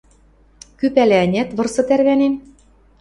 Кӱ пӓлӓ, ӓнят, вырсы тӓрвӓнен?